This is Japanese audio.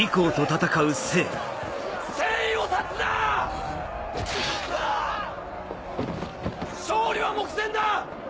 勝利は目前だ！